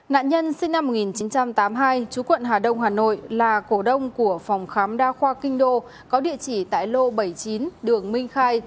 nạn nhân sinh năm một nghìn chín trăm tám mươi hai chú quận hà đông hà nội là cổ đông của phòng khám đa khoa kinh đô có địa chỉ tại lô bảy mươi chín đường minh khai